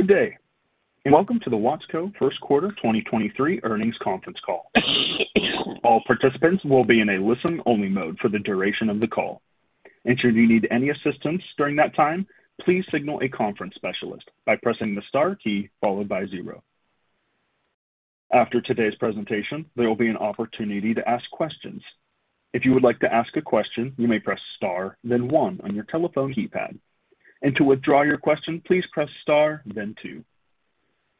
Good day. Welcome to the Watsco First Quarter 2023 Earnings Conference Call. All participants will be in a listen-only mode for the duration of the call. Should you need any assistance during that time, please signal a conference specialist by pressing the star key followed by zero. After today's presentation, there will be an opportunity to ask questions. If you would like to ask a question, you may press star then one on your telephone keypad. To withdraw your question, please press star then two.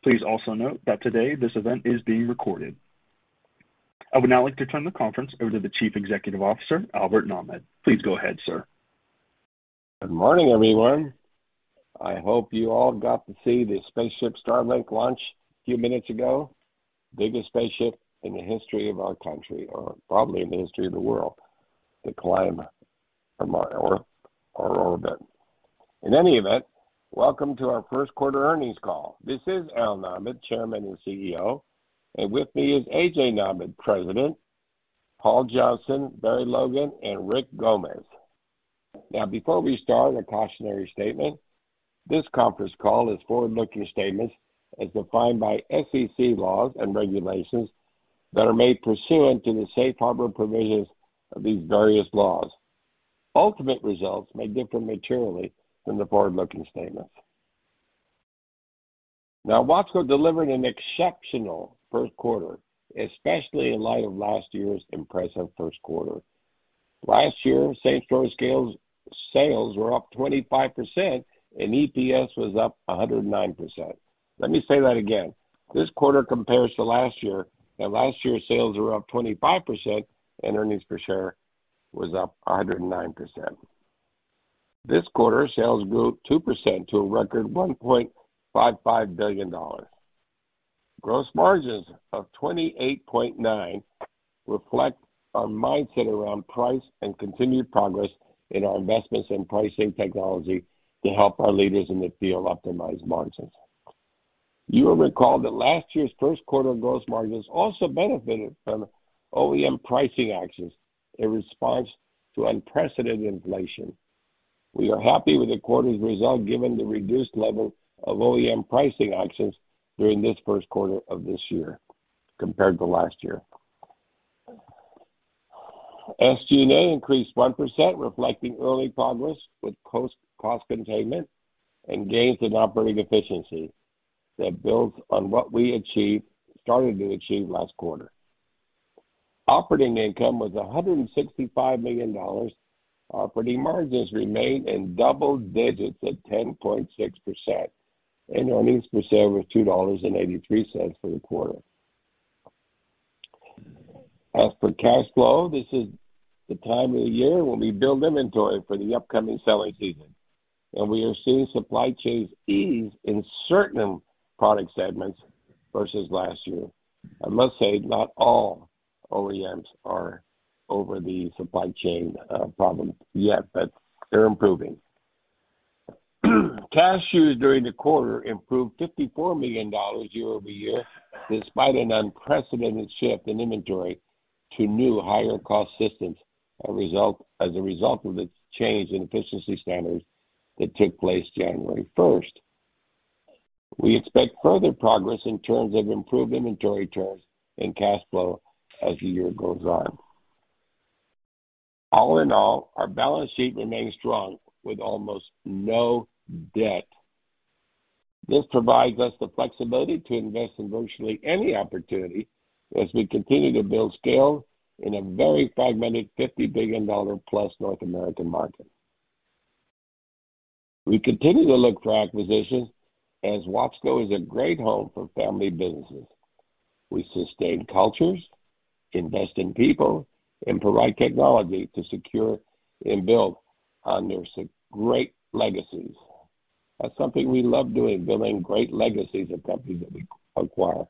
Please also note that today this event is being recorded. I would now like to turn the conference over to the Chief Executive Officer, Albert Nahmad. Please go ahead, sir. Good morning, everyone. I hope you all got to see the spaceship Starship launch a few minutes ago. Biggest spaceship in the history of our country or probably in the history of the world to climb from our Earth or orbit. In any event, welcome to our first quarter earnings call. This is Al Nahmad, Chairman and CEO, and with me is A.J. Nahmad, President, Paul Johnston, Barry Logan, and Rick Gomez. Before we start, a cautionary statement. This conference call is forward-looking statements as defined by SEC laws and regulations that are made pursuant to the safe harbor provisions of these various laws. Ultimate results may differ materially from the forward-looking statements. Watsco delivered an exceptional first quarter, especially in light of last year's impressive first quarter. Last year, same-store sales were up 25% and EPS was up 109%. Let me say that again. This quarter compares to last year, last year's sales were up 25% and EPS was up 109%. This quarter, sales grew 2% to a record $1.55 billion. Gross margins of 28.9% reflect our mindset around price and continued progress in our investments in pricing technology to help our leaders in the field optimize margins. You will recall that last year's first quarter gross margins also benefited from OEM pricing actions in response to unprecedented inflation. We are happy with the quarter's result given the reduced level of OEM pricing actions during this first quarter of this year compared to last year. SG&A increased 1%, reflecting early progress with cost containment and gains in operating efficiency that builds on what we started to achieve last quarter. Operating income was $165 million. Operating margins remained in double digits at 10.6%, and earnings per share was $2.83 for the quarter. As for cash flow, this is the time of the year when we build inventory for the upcoming selling season, and we are seeing supply chains ease in certain product segments versus last year. I must say, not all OEMs are over the supply chain problems yet, but they're improving. Cash used during the quarter improved $54 million year-over-year, despite an unprecedented shift in inventory to new higher-cost systems as a result of the change in efficiency standards that took place January 1st. We expect further progress in terms of improved inventory turns and cash flow as the year goes on. All in all, our balance sheet remains strong with almost no debt. This provides us the flexibility to invest in virtually any opportunity as we continue to build scale in a very fragmented $50 billion plus North American market. We continue to look for acquisitions as Watsco is a great home for family businesses. We sustain cultures, invest in people, and provide technology to secure and build on their great legacies. That's something we love doing, building great legacies of companies that we acquire.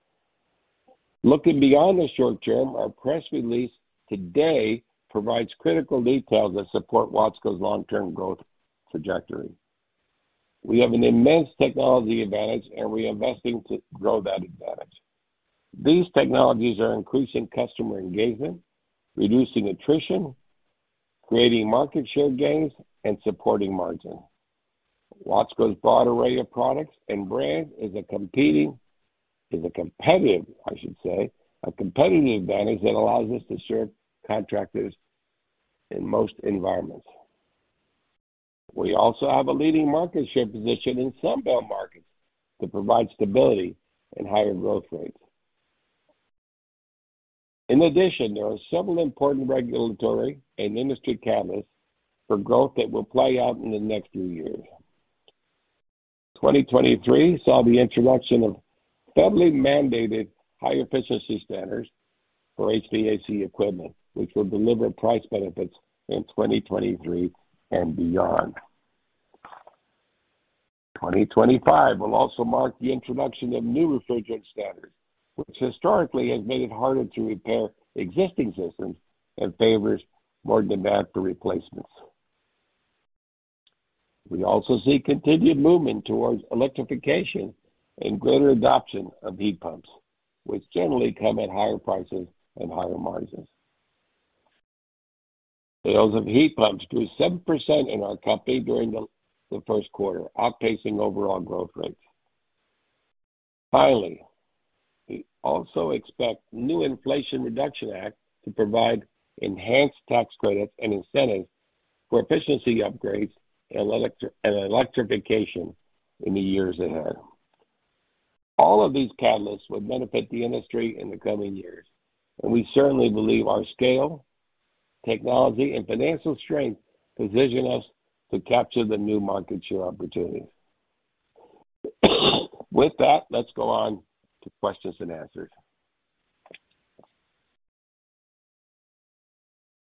Looking beyond the short term, our press release today provides critical details that support Watsco's long-term growth trajectory. We have an immense technology advantage, and we're investing to grow that advantage. These technologies are increasing customer engagement, reducing attrition, creating market share gains, and supporting margins. Watsco's broad array of products and brands is a competitive advantage that allows us to serve contractors in most environments. We also have a leading market share position in some build markets that provide stability and higher growth rates. In addition, there are several important regulatory and industry catalysts for growth that will play out in the next few years. 2023 saw the introduction of federally mandated high-efficiency standards for HVAC equipment, which will deliver price benefits in 2023 and beyond. 2025 will also mark the introduction of new refrigerant standards, which historically has made it harder to repair existing systems and favors more demand for replacements. We also see continued movement towards electrification and greater adoption of heat pumps, which generally come at higher prices and higher margins. Sales of heat pumps grew 7% in our company during the first quarter, outpacing overall growth rates. Finally, we also expect new Inflation Reduction Act to provide enhanced tax credits and incentives for efficiency upgrades and electrification in the years ahead. All of these catalysts will benefit the industry in the coming years, and we certainly believe our scale, technology, and financial strength position us to capture the new market share opportunities. Let's go on to questions and answers.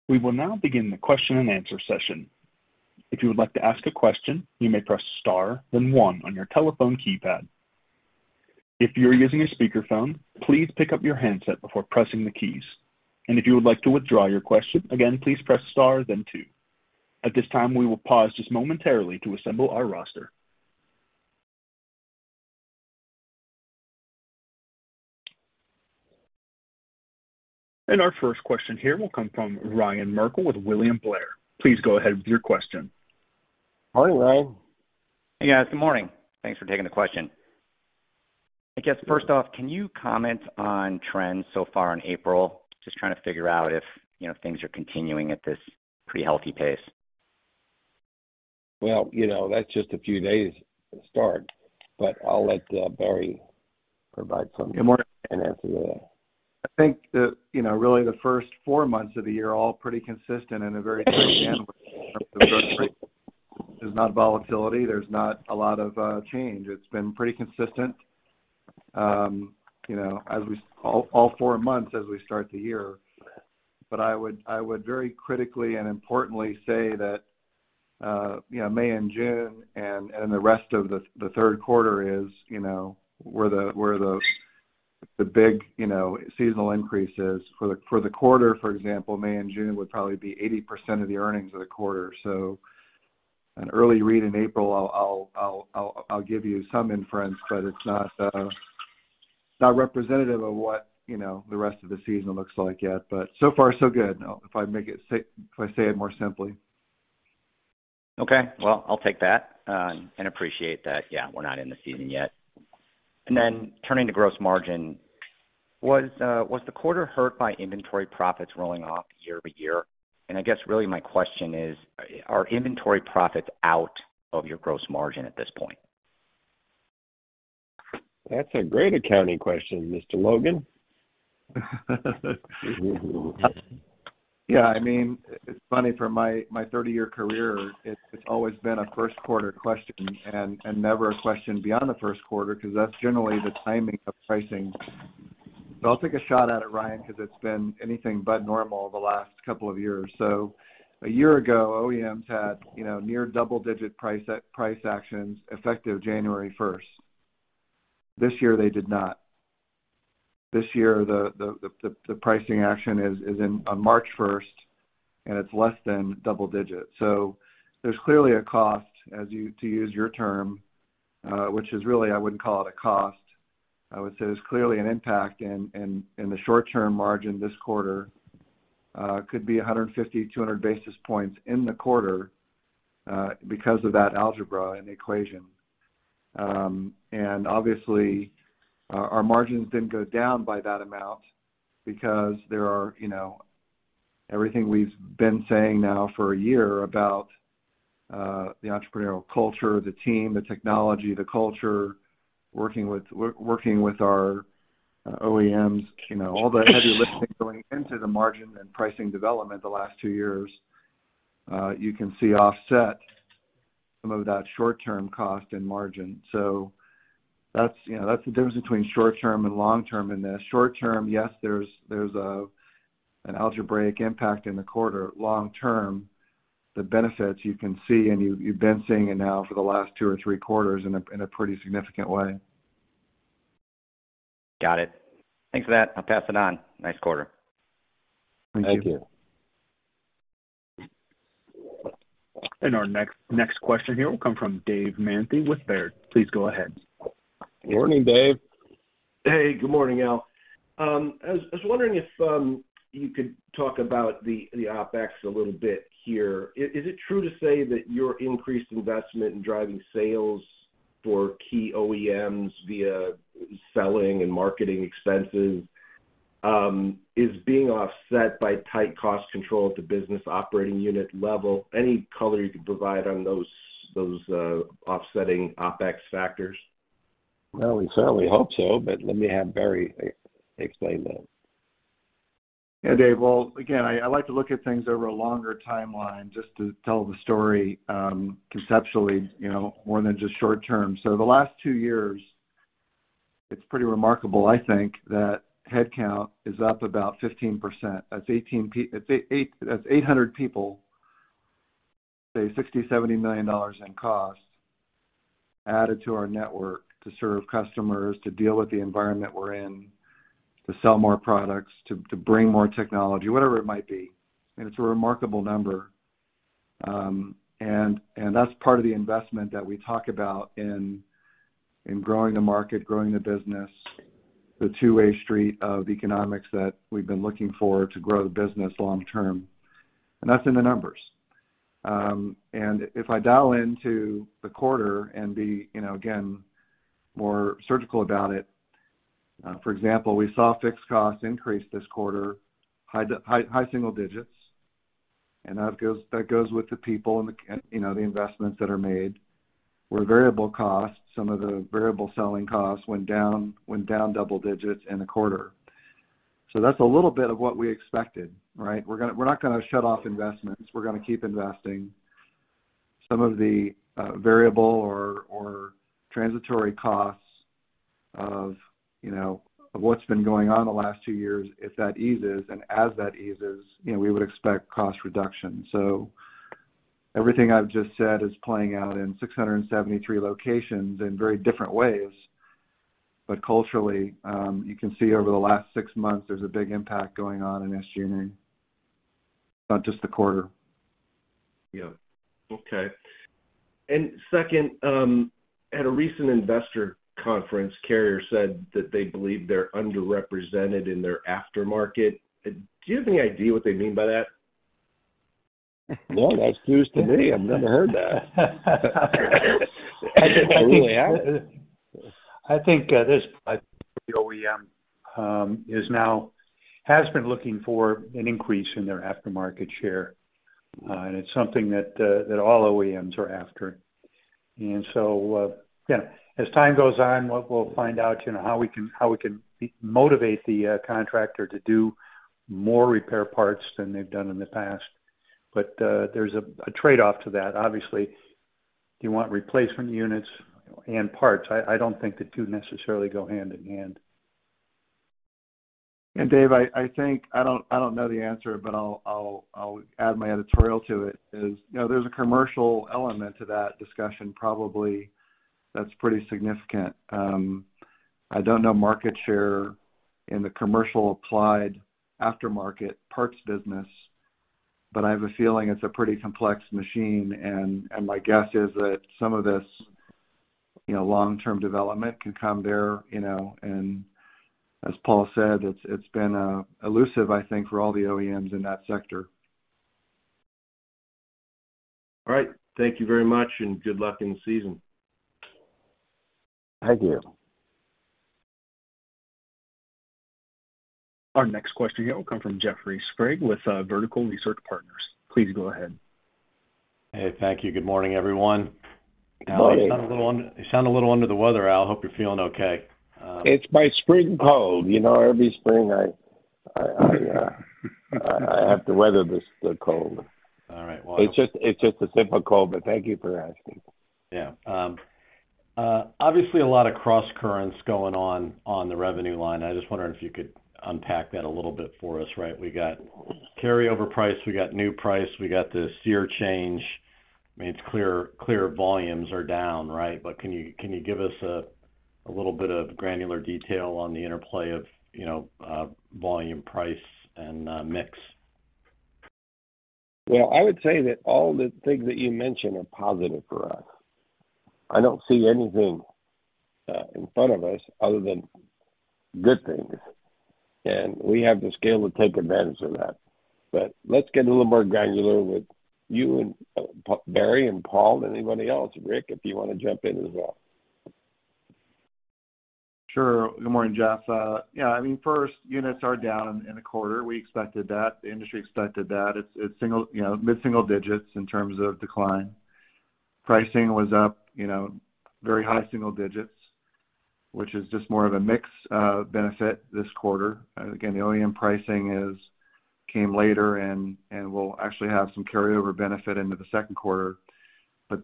We will now begin the question-and-answer session. If you would like to ask a question, you may press star, then one on your telephone keypad. If you're using a speakerphone, please pick up your handset before pressing the keys. If you would like to withdraw your question, again, please press star then two. At this time, we will pause just momentarily to assemble our roster. Our first question here will come from Ryan Merkel with William Blair. Please go ahead with your question. Hi, Ryan. Hey, guys. Good morning. Thanks for taking the question. I guess, first off, can you comment on trends so far in April? Just trying to figure out if, you know, things are continuing at this pretty healthy pace. Well, you know, that's just a few days to start, but I'll let Barry provide some... Good morning.... and answer that. I think the, you know, really the first four months of the year are all pretty consistent in a very in terms of growth rate. There's not volatility, there's not a lot of change. It's been pretty consistent, you know, all four months as we start the year. I would very critically and importantly say that, you know, May and June and the rest of the third quarter is, you know, where the big, you know, seasonal increases. For the quarter, for example, May and June would probably be 80% of the earnings of the quarter. An early read in April, I'll give you some inference, but it's not representative of what, you know, the rest of the season looks like yet. So far so good, if I make it if I say it more simply. Okay. Well, I'll take that and appreciate that, yeah, we're not in the season yet. Then turning to gross margin, was the quarter hurt by inventory profits rolling off year-over-year? I guess really my question is, are inventory profits out of your gross margin at this point? That's a great accounting question, Mr. Logan. Yeah, I mean, it's funny for my 30-year career, it's always been a first quarter question and never a question beyond the first quarter 'cause that's generally the timing of pricing. I'll take a shot at it, Ryan, 'cause it's been anything but normal the last couple of years. A year ago, OEMs had, you know, near double-digit price actions effective January 1st. This year, they did not. This year, the pricing action is in on March 1st, and it's less than double digit. There's clearly a cost, as to use your term, which is really I wouldn't call it a cost. I would say there's clearly an impact in the short term margin this quarter, could be 150 basis points-200 basis points in the quarter, because of that algebra and equation. Obviously, our margins didn't go down by that amount because there are, you know, everything we've been saying now for a year about the entrepreneurial culture, the team, the technology, the culture, working with our OEMs, you know, all the heavy lifting going into the margin and pricing development the last two years, you can see offset some of that short-term cost and margin. That's, you know, that's the difference between short-term and long-term in this. Short-term, yes, there's an algebraic impact in the quarter. Long-term, the benefits you can see and you've been seeing it now for the last two or three quarters in a pretty significant way. Got it. Thanks for that. I'll pass it on. Nice quarter. Thank you. Thank you. Our next question here will come from Dave Manthey with Baird. Please go ahead. Morning, Dave. Hey, good morning, Al. I was wondering if you could talk about the OpEx a little bit here. Is it true to say that your increased investment in driving sales for key OEMs via selling and marketing expenses is being offset by tight cost control at the business operating unit level? Any color you could provide on those offsetting OpEx factors? Well, we certainly hope so, but let me have Barry explain that. Yeah, Dave. Well, again, I like to look at things over a longer timeline just to tell the story, conceptually, you know, more than just short term. The last two years, it's pretty remarkable, I think, that headcount is up about 15%. That's 800 people, say $60 million-$70 million in cost added to our network to serve customers, to deal with the environment we're in, to sell more products, to bring more technology, whatever it might be, and it's a remarkable number. That's part of the investment that we talk about in growing the market, growing the business, the two-way street of economics that we've been looking for to grow the business long term. That's in the numbers. If I dial into the quarter and be, you know, again, more surgical about it. For example, we saw fixed costs increase this quarter high single digits, and that goes with the people and the, you know, the investments that are made. Variable costs, some of the variable selling costs went down double digits in the quarter. That's a little bit of what we expected, right? We're not gonna shut off investments. We're gonna keep investing. Some of the variable or transitory costs of, you know, of what's been going on the last two years, if that eases and as that eases, you know, we would expect cost reduction. Everything I've just said is playing out in 673 locations in very different ways. Culturally, you can see over the last six months there's a big impact going on in SG&A, not just the quarter. Yeah. Okay. Second, at a recent investor conference, Carrier said that they believe they're underrepresented in their aftermarket. Do you have any idea what they mean by that? No. That's news to me. I've never heard that. Really. I think, this OEM has been looking for an increase in their aftermarket share. It's something that all OEMs are after. Yeah, as time goes on, what we'll find out, you know, how we can, how we can motivate the contractor to do more repair parts than they've done in the past. There's a trade-off to that. Obviously, you want replacement units and parts. I don't think the two necessarily go hand in hand. Dave, I think I don't, I don't know the answer, but I'll, I'll add my editorial to it is, you know, there's a commercial element to that discussion probably that's pretty significant. I don't know market share in the commercial applied aftermarket parts business, but I have a feeling it's a pretty complex machine. My guess is that some of this, you know, long-term development can come there, you know. As Paul said, it's been elusive, I think, for all the OEMs in that sector. All right. Thank you very much, and good luck in the season. Thank you. Our next question here will come from Jeffrey Sprague with Vertical Research Partners. Please go ahead. Hey. Thank you. Good morning, everyone. Morning. You sound a little under the weather, Al. Hope you're feeling okay. It's my spring cold. You know how every spring I have to weather this, the cold. All right. It's just a simple cold, but thank you for asking. Yeah. obviously a lot of crosscurrents going on on the revenue line. I was just wondering if you could unpack that a little bit for us, right? We got carryover price. We got new price. We got the SEER change. I mean, it's clear volumes are down, right? Can you give us a little bit of granular detail on the interplay of, you know, volume, price, and mix? Well, I would say that all the things that you mentioned are positive for us. I don't see anything in front of us other than good things, and we have the scale to take advantage of that. Let's get a little more granular with you and Barry and Paul, anybody else. Rick, if you wanna jump in as well. Sure. Good morning, Jeff. Yeah, I mean, first, units are down in the quarter. We expected that. The industry expected that. It's single, you know, mid-single digits in terms of decline. Pricing was up, you know, very high single digits, which is just more of a mix benefit this quarter. Again, the OEM pricing came later and we'll actually have some carryover benefit into the second quarter.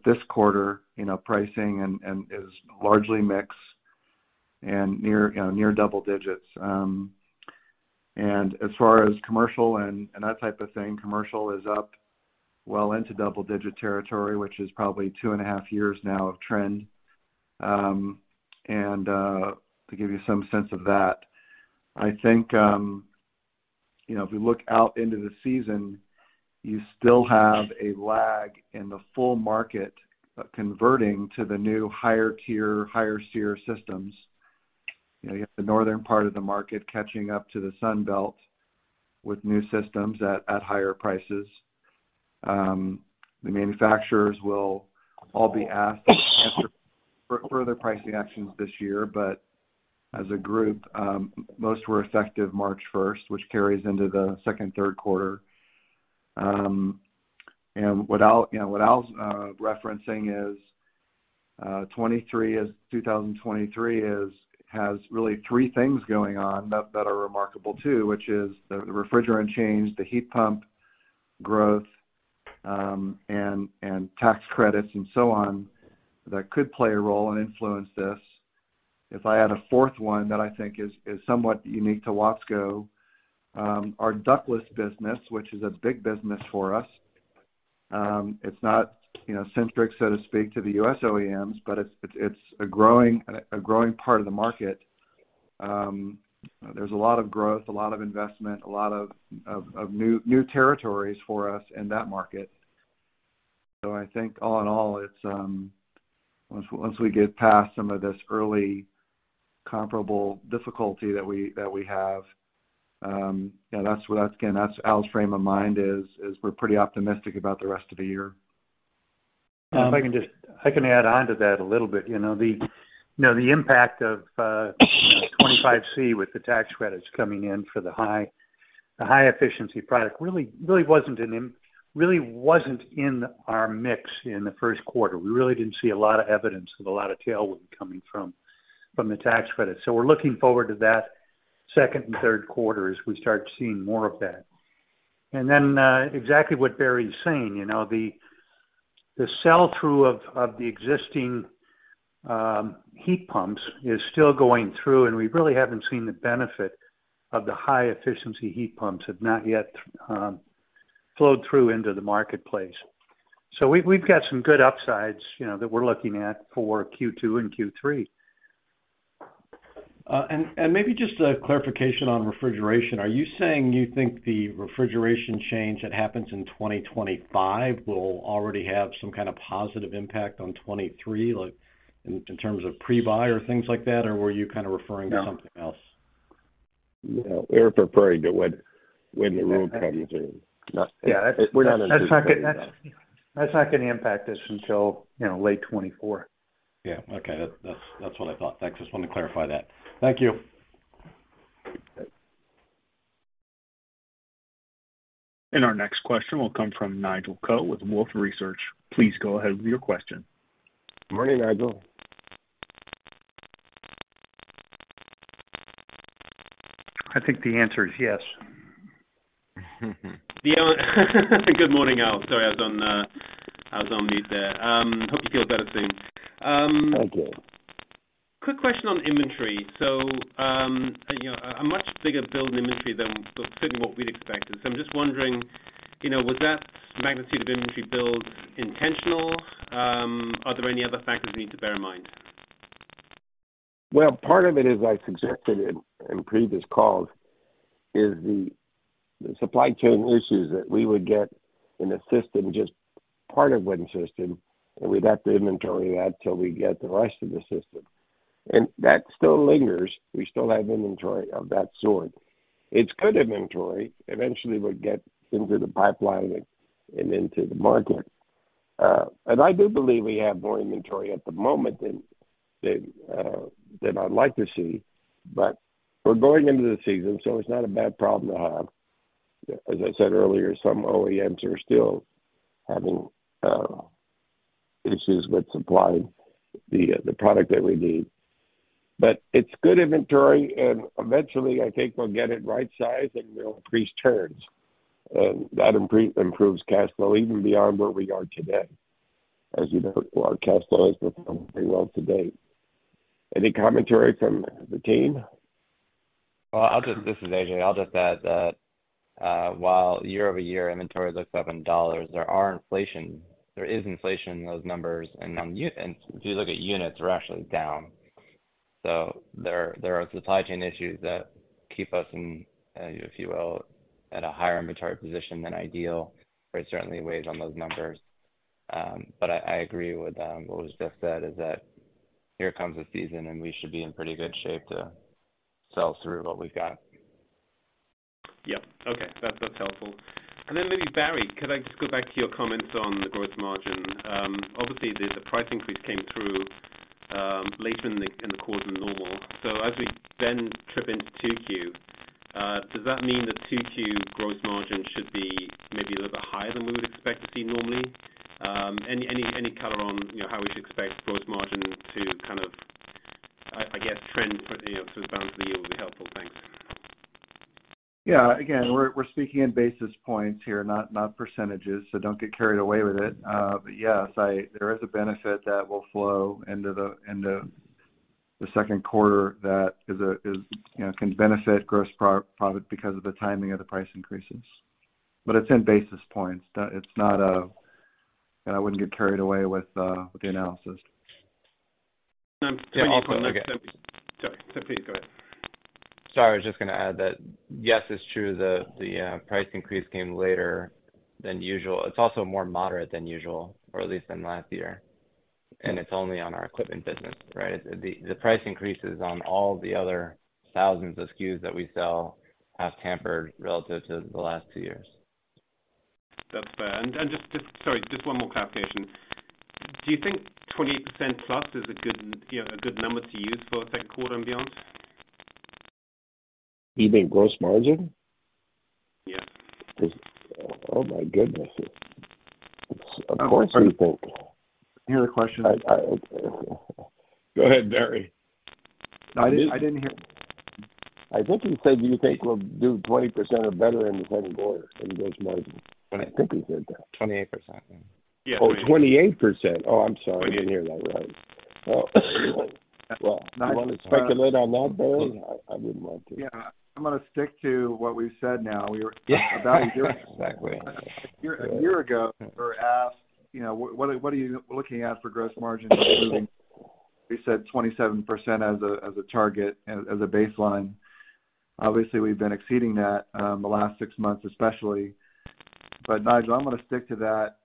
This quarter, you know, pricing and is largely mix and near, you know, near double digits. As far as commercial and that type of thing, commercial is up well into double-digit territory, which is probably two and a half years now of trend. To give you some sense of that, I think, you know, if we look out into the season, you still have a lag in the full market converting to the new higher tier, higher SEER systems. You know, you have the northern part of the market catching up to the Sun Belt with new systems at higher prices. The manufacturers will all be asked for further pricing actions this year. As a group, most were effective March 1st, which carries into the second, third quarter. What Al, you know, what Al's referencing is 2023 is, has really three things going on that are remarkable, too, which is the refrigerant change, the heat pump growth, and tax credits and so on that could play a role and influence this. If I add a fourth one that I think is somewhat unique to Watsco, our ductless business, which is a big business for us, it's not, you know, centric so to speak to the U.S. OEMs, but it's a growing part of the market. There's a lot of growth, a lot of investment, a lot of new territories for us in that market. I think all in all, it's. Once we get past some of this early comparable difficulty that we have, yeah, that's again, that's Al's frame of mind is we're pretty optimistic about the rest of the year. I can add on to that a little bit. You know, the, you know, the impact of 25C with the tax credits coming in for the high, the high efficiency product really wasn't in our mix in the first quarter. We really didn't see a lot of evidence of a lot of tailwind coming from the tax credit. We're looking forward to that second and third quarter as we start seeing more of that. Exactly what Barry's saying, you know, the sell through of the existing heat pumps is still going through, and we really haven't seen the benefit of the high efficiency heat pumps have not yet flowed through into the marketplace. We've got some good upsides, you know, that we're looking at for Q2 and Q3. Maybe just a clarification on refrigeration. Are you saying you think the refrigeration change that happens in 2025 will already have some kind of positive impact on 2023, like in terms of pre-buy or things like that? Or were you kind of referring to something else? No. We're preparing to when the rule comes in. Yeah. That's not gonna impact us until, you know, late 2024. Yeah. Okay. That's what I thought. Thanks. Just wanted to clarify that. Thank you. Our next question will come from Nigel Coe with Wolfe Research. Please go ahead with your question. Morning, Nigel. I think the answer is yes. Yeah. Good morning, Al. Sorry, I was on, I was on mute there. Hope you feel better soon. Thank you. Quick question on inventory. you know, a much bigger build in inventory than what we'd expected. I'm just wondering, you know, was that magnitude of inventory build intentional? Are there any other factors we need to bear in mind? Well, part of it, as I suggested in previous calls, is the supply chain issues that we would get in a system, just part of one system, and we'd have to inventory that till we get the rest of the system. That still lingers. We still have inventory of that sort. It's good inventory. Eventually, we'll get into the pipeline and into the market. I do believe we have more inventory at the moment than I'd like to see. We're going into the season, so it's not a bad problem to have. As I said earlier, some OEMs are still having issues with supplying the product that we need. It's good inventory, and eventually, I think we'll get it right size and we'll increase turns. That improves cash flow even beyond where we are today. As you know, our cash flow has performed pretty well to date. Any commentary from the team? Well, this is A.J. I'll just add that, while year-over-year inventory looks up in U.S. dollars, there is inflation in those numbers. If you look at units, we're actually down. There are supply chain issues that keep us in, if you will, at a higher inventory position than ideal. It certainly weighs on those numbers. I agree with what was just said is that here comes a season and we should be in pretty good shape to sell through what we've got. Yeah. Okay. That's helpful. Maybe Barry, could I just go back to your comments on the gross margin? Obviously the price increase came through later in the quarter than normal. As we then trip into 2Q, does that mean the 2Q gross margin should be maybe a little bit higher than we would expect to see normally? Any color on, you know, how we should expect gross margin to kind of, I guess, trend, you know, for the balance of the year would be helpful. Thanks. Yeah. Again, we're speaking in basis points here, not percentages, so don't get carried away with it. Yes, there is a benefit that will flow into the second quarter that is, you know, can benefit gross profit because of the timing of the price increases. It's in basis points. It's not a. I wouldn't get carried away with the analysis. Two things. Yeah, I'll. Sorry. Sorry. Please go ahead. Sorry, I was just gonna add that yes, it's true the price increase came later than usual. It's also more moderate than usual or at least than last year. It's only on our equipment business, right? The price increases on all the other thousands of SKUs that we sell have tampered relative to the last two years. That's fair. Sorry, just one more clarification. Do you think 20%+ is a good, you know, a good number to use for second quarter and beyond? You mean gross margin? Yes. Oh my goodness. Of course you think. You hear the question? I. Go ahead, Barry. No, I didn't hear. I think he said, do you think we'll do 20% or better in the second quarter in gross margin? I think he said that. 28%. Oh, 28%? Oh, I'm sorry. I didn't hear that right. Well, you wanna speculate on that, Barry? I wouldn't want to. Yeah. I'm gonna stick to what we've said now. Exactly. A year ago, we were asked, you know, what are you looking at for gross margin improving? We said 27% as a target and as a baseline. Obviously, we've been exceeding that the last six months, especially. Nigel, I'm gonna stick to that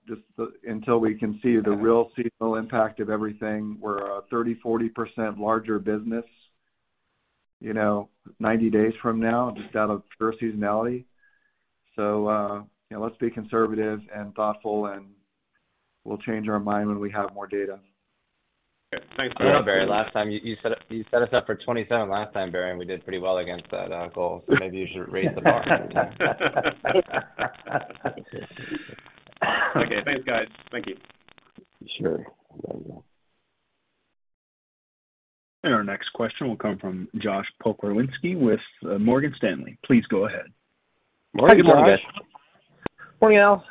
until we can see the real seasonal impact of everything. We're a 30%, 40% larger business, you know, 90 days from now, just out of pure seasonality. You know, let's be conservative and thoughtful, and we'll change our mind when we have more data. Thanks, Barry. You know, Barry, last time you set us up for 27% last time, Barry, and we did pretty well against that goal. Maybe you should raise the bar. Okay. Thanks, guys. Thank you. Sure. Our next question will come from Josh Pokrzywinski with Morgan Stanley. Please go ahead. Morning, Josh. Morning, Al.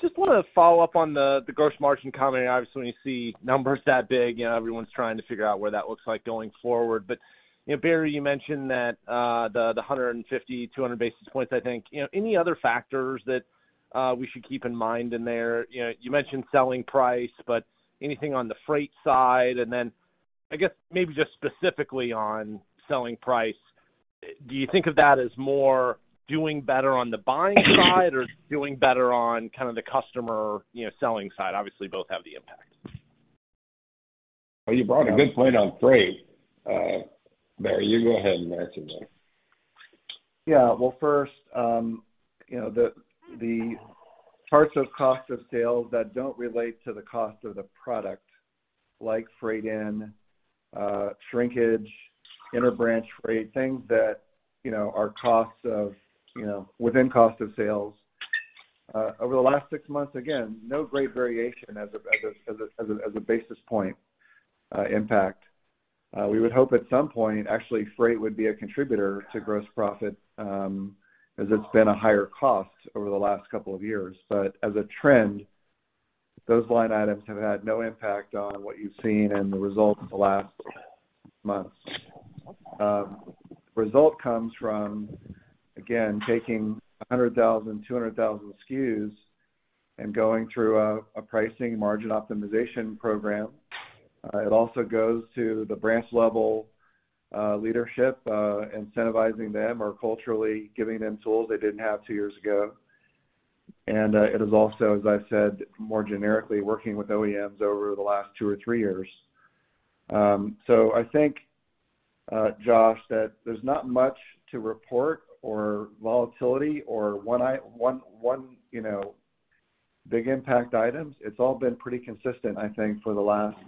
Just wanna follow up on the gross margin comment. Obviously, when you see numbers that big, you know, everyone's trying to figure out where that looks like going forward. You know, Barry, you mentioned that the 150, 200 basis points, I think. You know, any other factors that we should keep in mind in there? You know, you mentioned selling price, but anything on the freight side? I guess, maybe just specifically on selling price, do you think of that as more doing better on the buying side or doing better on kind of the customer, you know, selling side? Obviously, both have the impact. You brought a good point on freight. Barry, you go ahead and answer that. First, you know, the parts of cost of sales that don't relate to the cost of the product, like freight in, shrinkage, inter-branch freight, things that, you know, are costs of, within cost of sales. Over the last six months, again, no great variation as a basis point impact. We would hope at some point, actually freight would be a contributor to gross profit, as it's been a higher cost over the last couple of years. As a trend, those line items have had no impact on what you've seen and the results the last months. Result comes from, again, taking 100,000, 200,000 SKUs and going through a pricing margin optimization program. It also goes to the branch level, leadership, incentivizing them or culturally giving them tools they didn't have two years ago. It is also, as I've said, more generically working with OEMs over the last two or three years. I think, Josh, that there's not much to report or volatility or one, you know, big impact items. It's all been pretty consistent, I think, for the last,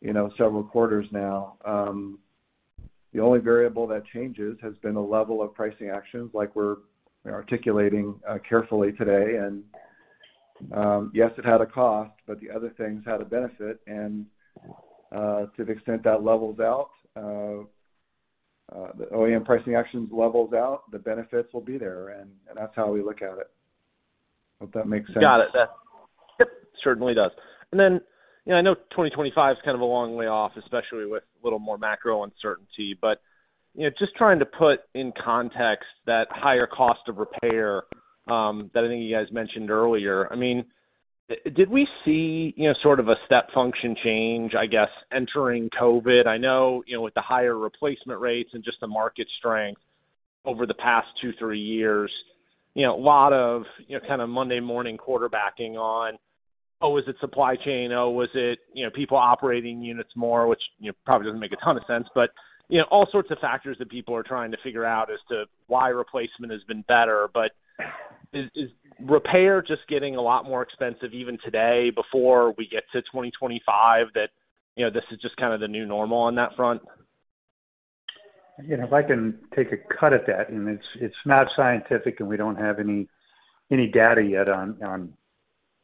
you know, several quarters now. The only variable that changes has been the level of pricing actions like we're articulating, carefully today. Yes, it had a cost, but the other things had a benefit. To the extent that levels out, the OEM pricing actions levels out, the benefits will be there, and that's how we look at it. Hope that makes sense. Got it. That. Yep, certainly does. Then, you know, I know 2025 is kind of a long way off, especially with a little more macro uncertainty, but, you know, just trying to put in context that higher cost of repair, that I think you guys mentioned earlier. I mean, did we see, you know, sort of a step function change, I guess, entering COVID? I know, you know, with the higher replacement rates and just the market strength over the past two, three years, you know, a lot of, you know, kind of Monday morning quarterbacking on, oh, is it supply chain? Oh, is it, you know, people operating units more, which, you know, probably doesn't make a ton of sense, but, you know, all sorts of factors that people are trying to figure out as to why replacement has been better. Is repair just getting a lot more expensive even today before we get to 2025 that, you know, this is just kind of the new normal on that front? You know, if I can take a cut at that, it's not scientific, we don't have any data yet on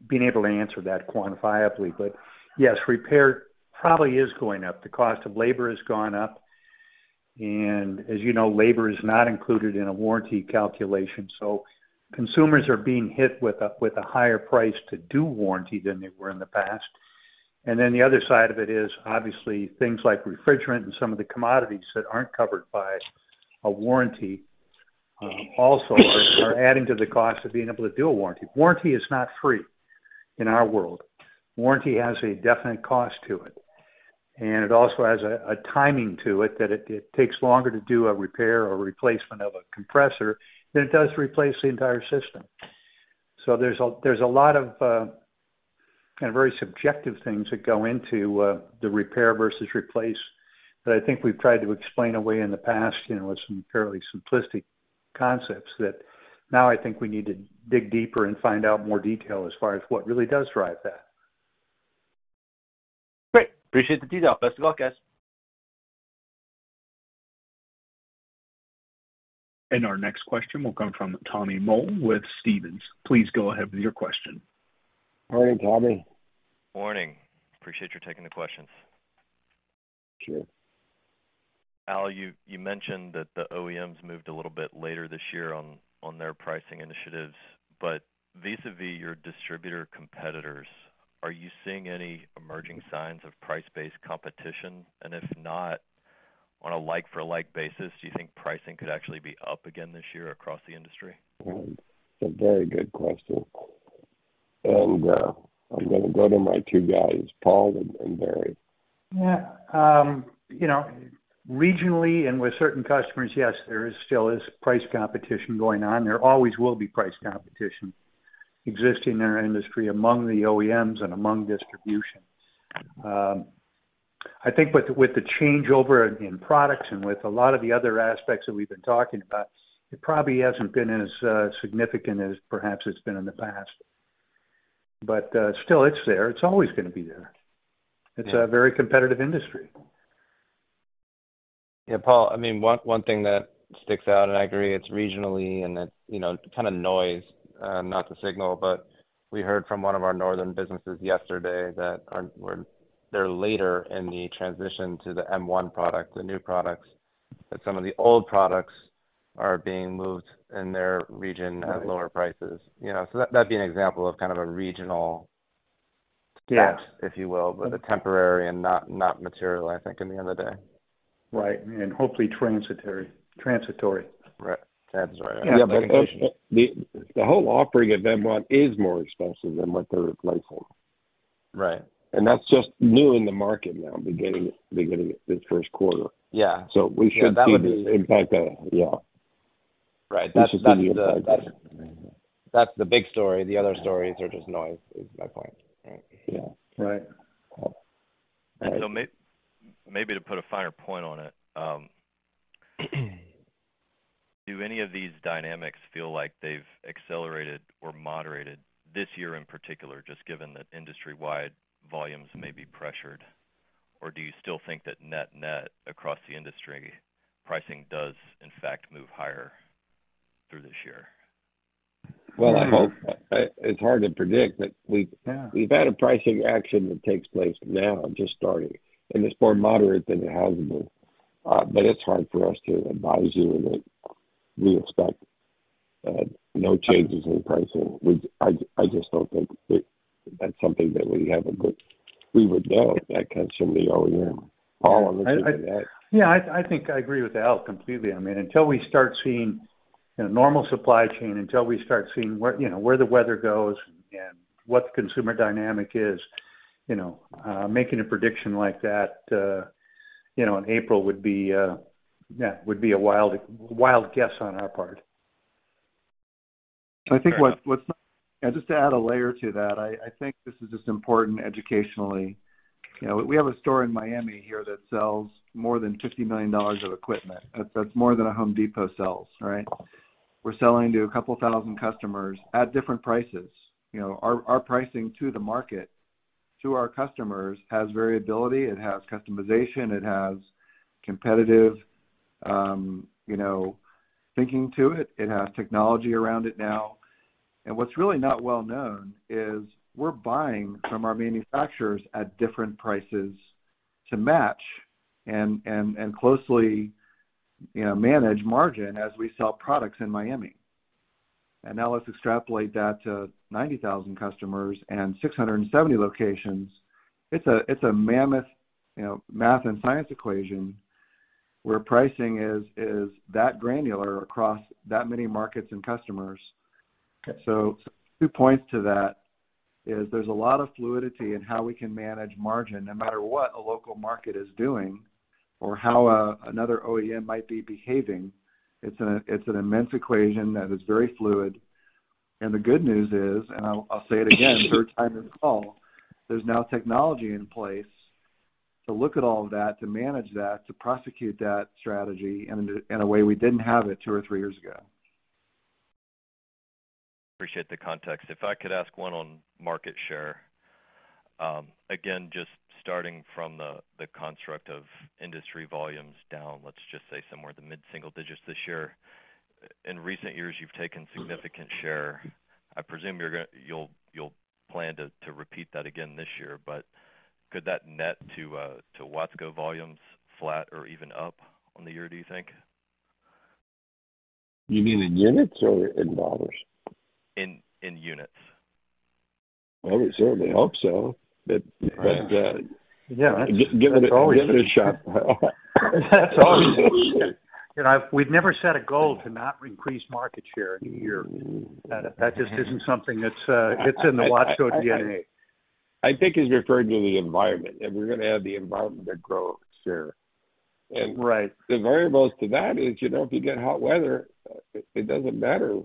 being able to answer that quantifiably. Yes, repair probably is going up. The cost of labor has gone up. As you know, labor is not included in a warranty calculation. Consumers are being hit with a, with a higher price to do warranty than they were in the past. The other side of it is obviously things like refrigerant and some of the commodities that aren't covered by a warranty, also are adding to the cost of being able to do a warranty. Warranty is not free in our world. Warranty has a definite cost to it, and it also has a timing to it that it takes longer to do a repair or replacement of a compressor than it does to replace the entire system. There's a lot of kind of very subjective things that go into the repair versus replace that I think we've tried to explain away in the past, you know, with some fairly simplistic concepts that now I think we need to dig deeper and find out more detail as far as what really does drive that. Great. Appreciate the detail. Best of luck, guys. Our next question will come from Tommy Moll with Stephens. Please go ahead with your question. Morning, Tommy. Morning. Appreciate you taking the questions. Sure. Al, you mentioned that the OEMs moved a little bit later this year on their pricing initiatives. vis-a-vis your distributor competitors, are you seeing any emerging signs of price-based competition? If not, on a like-for-like basis, do you think pricing could actually be up again this year across the industry? It's a very good question. I'm gonna go to my two guys, Paul and Barry. You know, regionally and with certain customers, yes, there is still is price competition going on. There always will be price competition existing in our industry among the OEMs and among distribution. I think with the changeover in products and with a lot of the other aspects that we've been talking about, it probably hasn't been as significant as perhaps it's been in the past. Still it's there. It's always gonna be there. Yeah. It's a very competitive industry. Paul, I mean, one thing that sticks out. I agree it's regionally and it's, you know, kind of noise, not the signal. We heard from one of our northern businesses yesterday that they're later in the transition to the M1 product, the new products, that some of the old products are being moved in their region at lower prices. You know, that'd be an example of kind of a regional... Yeah. ...Effect, if you will, but temporary and not material, I think, in the end of the day. Right. Hopefully transitory. Transitory. Right. That's right. Yeah. The whole offering at M1 is more expensive than what they're replacing. Right. That's just new in the market now, beginning this first quarter. Yeah. we should see this impact, yeah. Right. That's the big story. The other stories are just noise, is my point. Right. Yeah. Right. Paul. Maybe to put a finer point on it, do any of these dynamics feel like they've accelerated or moderated this year in particular, just given that industry-wide volumes may be pressured? Do you still think that net-net across the industry, pricing does in fact move higher through this year? Well, I hope. It's hard to predict, but. Yeah. ...We've had a pricing action that takes place now, just starting, and it's more moderate than it has been. It's hard for us to advise you that we expect no changes in pricing. I just don't think that that's something that we have a good. We would know if that comes from the OEM. Paul, I'm looking at you. Yeah. I think I agree with Al completely. I mean, until we start seeing a normal supply chain, until we start seeing where, you know, where the weather goes and what the consumer dynamic is, you know, making a prediction like that, you know, in April would be, yeah, would be a wild guess on our part. Just to add a layer to that, I think this is just important educationally. You know, we have a store in Miami here that sells more than $50 million of equipment. That's more than a Home Depot sells, right? We're selling to a couple thousand customers at different prices. You know, our pricing to the market, to our customers has variability, it has customization, it has competitive, you know, thinking to it. It has technology around it now. What's really not well known is we're buying from our manufacturers at different prices to match and closely, you know, manage margin as we sell products in Miami. Now let's extrapolate that to 90,000 customers and 670 locations. It's a mammoth, you know, math and science equation where pricing is that granular across that many markets and customers. Okay. Two points to that is there's a lot of fluidity in how we can manage margin no matter what a local market is doing or how another OEM might be behaving. It's an immense equation that is very fluid. The good news is, I'll say it again, third time in this call, there's now technology in place to look at all of that, to manage that, to prosecute that strategy in a way we didn't have it two or three years ago. Appreciate the context. If I could ask one on market share. Just starting from the construct of industry volumes down, let's just say somewhere in the mid-single digits this year. In recent years, you've taken significant share. I presume you'll plan to repeat that again this year, but could that net to Watsco volumes flat or even up on the year, do you think? You mean in units or in U.S. dollars? In units. Well, we certainly hope so. Given it a shot. That's our research. You know, we've never set a goal to not increase market share in a year. That just isn't something that fits in the Watsco DNA. I think he's referring to the environment, and we're gonna have the environment to grow share. Right. The variables to that is, you know, if you get hot weather, it doesn't matter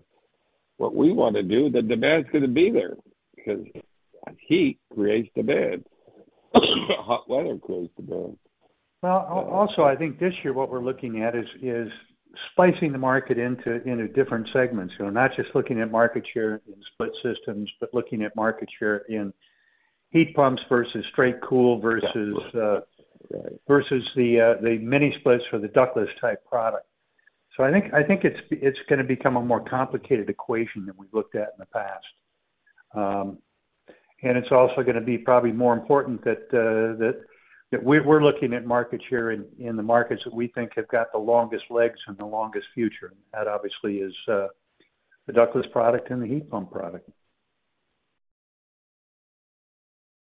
what we wanna do, the demand's gonna be there because heat creates demand. Hot weather creates demand. Well, also, I think this year what we're looking at is slicing the market into different segments. You know, not just looking at market share in split systems, but looking at market share in heat pumps versus straight cool versus versus the mini splits for the ductless type product. I think it's gonna become a more complicated equation than we've looked at in the past. It's also gonna be probably more important that that we're looking at market share in the markets that we think have got the longest legs and the longest future. That obviously is the ductless product and the heat pump product.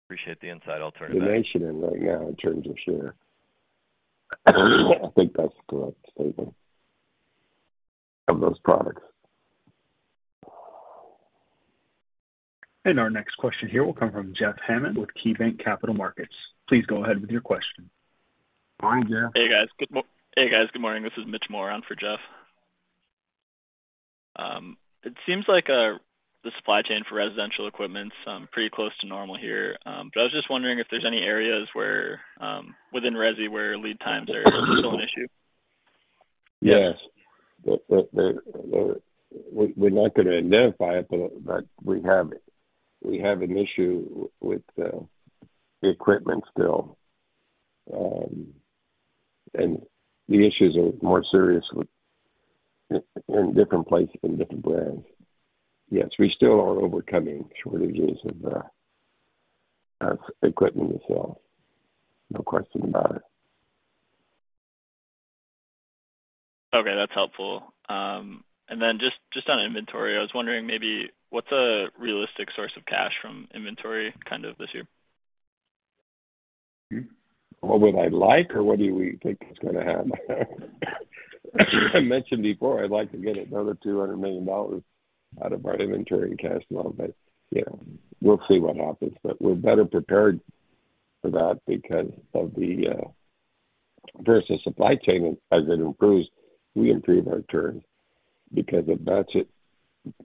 Appreciate the insight. I'll turn it back. The nation in right now in terms of share. I think that's a correct statement. Of those products. Our next question here will come from Jeff Hammond with KeyBanc Capital Markets. Please go ahead with your question. Hi, Jeff. Hey, guys. Good morning. This is Mitch Moore on for Jeff. It seems like the supply chain for residential equipment's pretty close to normal here. I was just wondering if there's any areas where within residential where lead times are still an issue. Yes. We're not gonna identify it, but we have an issue with the equipment still. The issues are more serious with in different places and different brands. Yes, we still are overcoming shortages of equipment itself. No question about it. Okay. That's helpful. Just on inventory, I was wondering maybe what's a realistic source of cash from inventory kind of this year? What would I like, or what do we think is gonna happen? I mentioned before, I'd like to get another $200 million out of our inventory and cash flow. You know, we'll see what happens. We're better prepared for that because of the first, the supply chain, as it improves, we improve our turn because if that's it,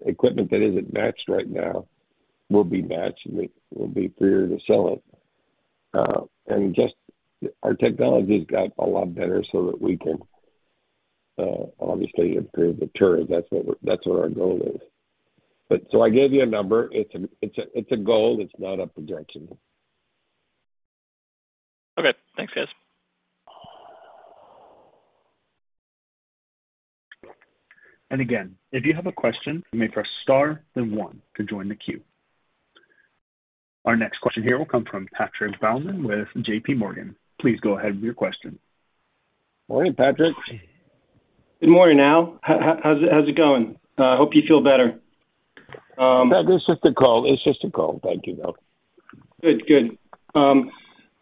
equipment that isn't matched right now will be matched, and we will be freer to sell it. And just our technology's got a lot better so that we can obviously improve the turn. That's what our goal is. So I gave you a number. It's a, it's a, it's a goal. It's not a projection. Okay. Thanks, guys. Again, if you have a question, you may press star one to join the queue. Our next question here will come from Patrick Baumann with JPMorgan. Please go ahead with your question. Morning, Patrick. Good morning, Al. How's it going? I hope you feel better. It's just a cold. It's just a cold. Thank you, though. Good. Good.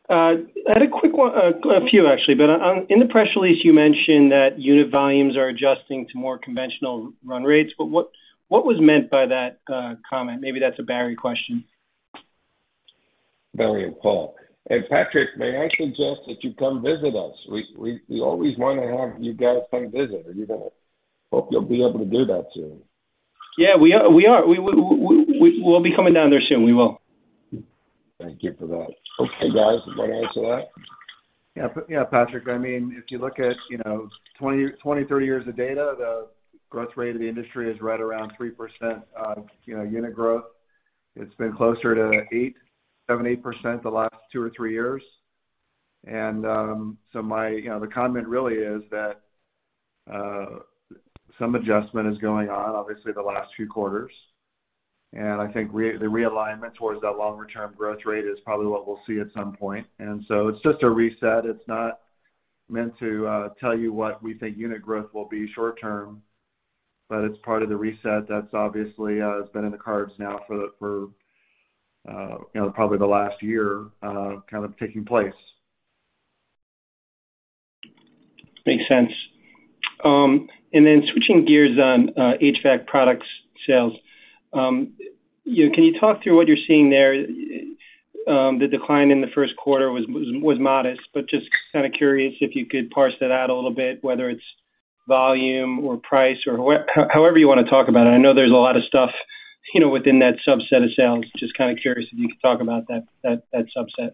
I had a quick one, a few actually. In the press release, you mentioned that unit volumes are adjusting to more conventional run rates. What was meant by that comment? Maybe that's a Barry question. Barry and Paul. Patrick, may I suggest that you come visit us. We always wanna have you guys come visit, and you know, hope you'll be able to do that soon. Yeah. We are, we are. We'll be coming down there soon. We will. Thank you for that. Okay, guys, you wanna answer that? Yeah. Yeah, Patrick, I mean, if you look at, you know, 20, 30 years of data, the growth rate of the industry is right around 3% of, you know, unit growth. It's been closer to 7%, 8% the last two or three years. My, you know, the comment really is that some adjustment is going on, obviously, the last few quarters, and I think the realignment towards that longer-term growth rate is probably what we'll see at some point. It's just a reset. It's not meant to tell you what we think unit growth will be short term, but it's part of the reset that's obviously has been in the cards now for, you know, probably the last year, kind of taking place. Makes sense. Switching gears on HVAC products sales, you know, can you talk through what you're seeing there? The decline in the first quarter was modest, but just kinda curious if you could parse that out a little bit, whether it's volume or price or however you wanna talk about it. I know there's a lot of stuff, you know, within that subset of sales. Just kinda curious if you could talk about that subset.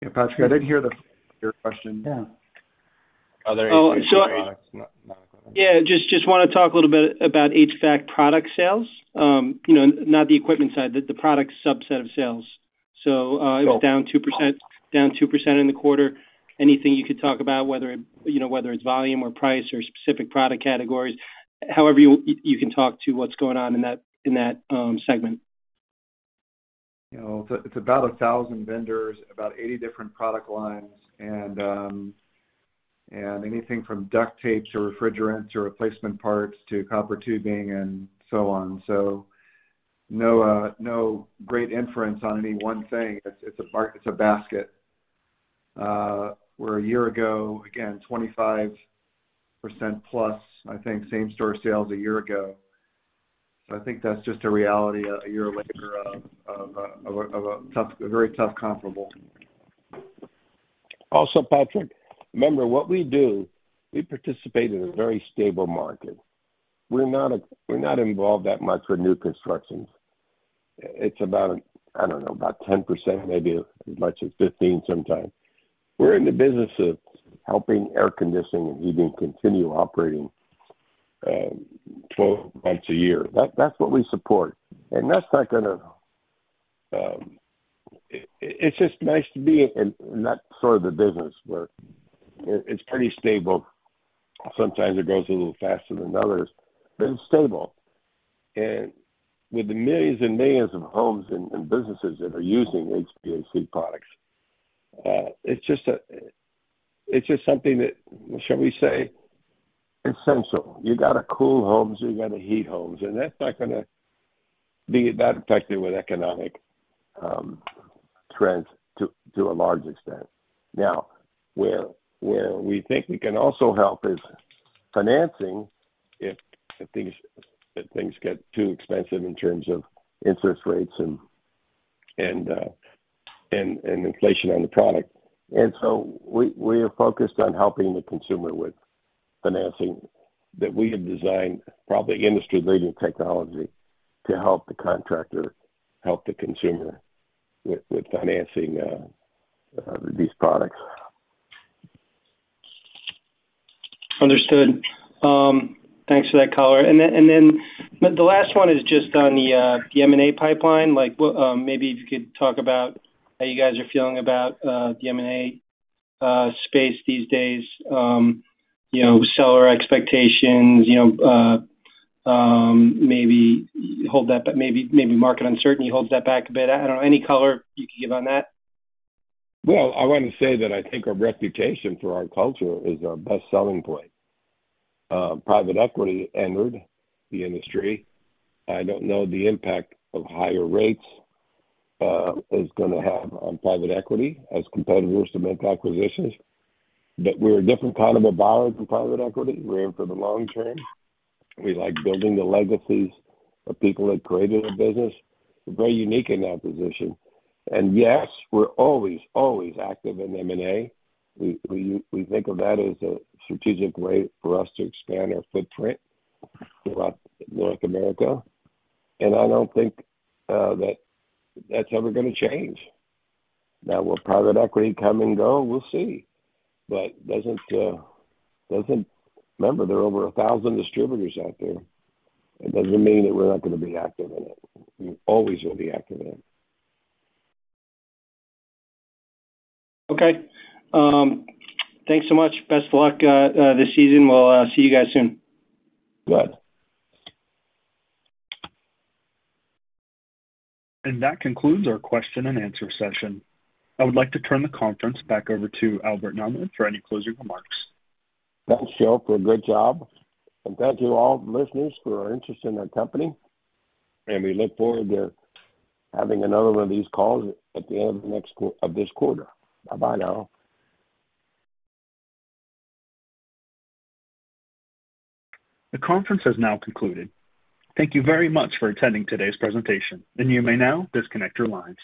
Yeah. Patrick, I didn't hear your question. Yeah. Oh. Other HVAC products. Yeah. Just wanna talk a little bit about HVAC product sales. you know, not the equipment side, the product subset of sales. it was down 2%, down 2% in the quarter. Anything you could talk about whether, you know, whether it's volume or price or specific product categories, however you can talk to what's going on in that segment? You know, it's about 1,000 vendors, about 80 different product lines and anything from duct tapes to refrigerants to replacement parts to copper tubing and so on. No great inference on any one thing. It's a bark, it's a basket. Where a year ago, again, 25%+, I think, same store sales a year ago. I think that's just a reality a year later of a very tough comparable. Patrick, remember, what we do, we participate in a very stable market. We're not involved that much with new constructions. It's about, I don't know, about 10%, maybe as much as 15 sometimes. We're in the business of helping air conditioning and heating continue operating, 12 months a year. That's what we support. That's not gonna. It's just nice to be in that sort of a business where it's pretty stable. Sometimes it goes a little faster than others, it's stable. With the millions and millions of homes and businesses that are using HVAC products, it's just something that, shall we say, essential. You gotta cool homes, you gotta heat homes, that's not gonna be that affected with economic trends to a large extent. Where we think we can also help is financing if things get too expensive in terms of interest rates and inflation on the product. We are focused on helping the consumer with financing that we have designed, probably industry-leading technology to help the contractor help the consumer with financing these products. Understood. thanks for that color. The last one is just on the M&A pipeline. Like what, maybe if you could talk about how you guys are feeling about, the M&A, space these days, you know, seller expectations, you know, maybe hold that, maybe market uncertainty holds that back a bit. I don't know, any color you can give on that? Well, I wanna say that I think our reputation for our culture is our best selling point. Private equity entered the industry. I don't know the impact of higher rates is gonna have on private equity as competitors to make acquisitions, but we're a different kind of a buyer from private equity. We're in for the long term. We like building the legacies of people that created a business. We're very unique in that position. Yes, we're always active in M&A. We think of that as a strategic way for us to expand our footprint throughout North America, and I don't think that that's ever gonna change. Will private equity come and go? We'll see. Remember, there are over 1,000 distributors out there. It doesn't mean that we're not gonna be active in it. We always will be active in it. Okay. Thanks so much. Best of luck this season. We'll see you guys soon. Good. That concludes our question and answer session. I would like to turn the conference back over to Albert Nahmad for any closing remarks. Thanks, Joe, for a good job, and thank you all listeners for your interest in our company, and we look forward to having another one of these calls at the end of this quarter. Bye bye now. The conference has now concluded. Thank you very much for attending today's presentation. You may now disconnect your lines.